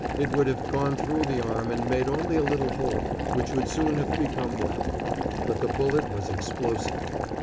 it would have gone through the arm and made only a little hole, which would soon have become well; but the bullet was explosive.